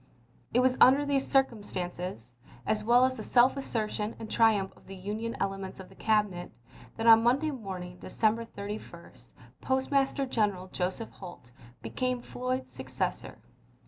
It was under these circumstances as well as the self assertion and triumph of the Union elements of the Cabinet that on Monday morning, December 31, Postmaster General Joseph Holt became Floyd's successor.